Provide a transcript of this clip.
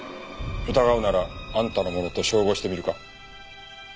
疑うならあんたのものと照合してみるか？